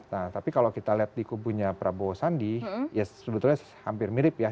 nah tapi kalau kita lihat di kubunya prabowo sandi ya sebetulnya hampir mirip ya